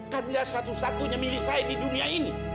karena satu satunya milik saya di dunia ini